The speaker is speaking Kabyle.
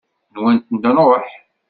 Nwant nruḥ.